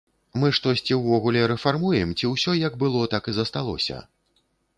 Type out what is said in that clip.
Мы штосьці ўвогуле рэфармуем, ці ўсё як было так і засталося?